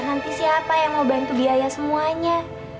nanti siapa yang mau bantu biaya semuanya